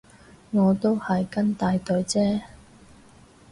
我都係跟大隊啫